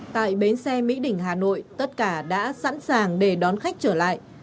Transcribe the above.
tại bến xe mỹ đình hà nội tất cả đã sẵn sàng để đón khách trở lại